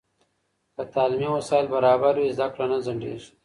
که تعلیمي وسایل برابر وي، زده کړه نه ځنډېږي.